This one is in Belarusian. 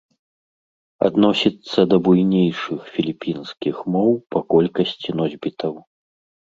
Адносіцца да буйнейшых філіпінскіх моў па колькасці носьбітаў.